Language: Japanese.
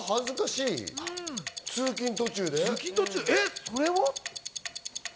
通勤途中で？